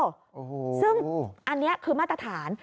ซึ่งอันนี้คือมาตรฐาน